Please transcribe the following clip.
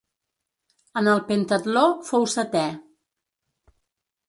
En el pentatló fou setè.